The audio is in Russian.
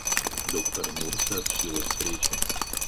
Доктор Мур сообщил о встрече.